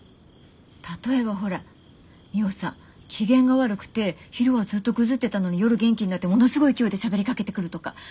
例えばほらミホさん機嫌が悪くて昼はずっとグズってたのに夜元気になってものすごい勢いでしゃべりかけてくるとか。